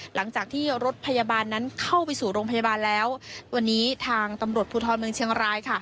หลังจากที่รถพยาบาลนั้นเข้าไปสู่โรงพยาบาลแล้ววันนี้ทางตำรวจภูทรเมืองเชียงรายค่ะ